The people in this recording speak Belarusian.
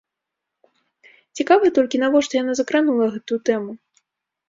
Цікава толькі, навошта яна закранула гэтую тэму.